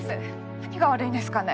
何が悪いんですかね